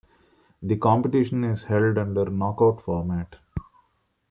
The competition is held under knockout format.